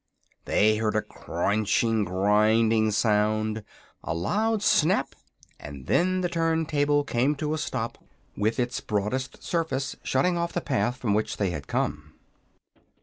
They heard a crunching, grinding sound, a loud snap, and the turn table came to a stop with its broadest surface shutting off the path from which they had come.